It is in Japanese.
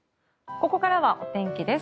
ここからはお天気です。